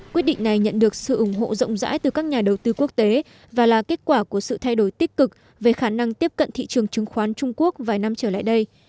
quyết định này nhận được sự ủng hộ rộng rãi từ các nhà đầu tư quốc tế và là kết quả của sự thay đổi tích cực về khả năng tiếp cận thị trường chứng khoán trung quốc vài năm trở lại đây